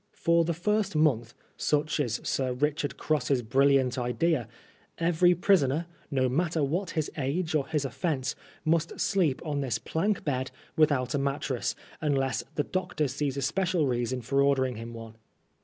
For the first month (such is Sir Richard Cross's brilliant idea) every prisoner, no matter what his age or his offence, must sleep on this plank bed without a mattress, unless the doctor sees a special reason for ordering him one.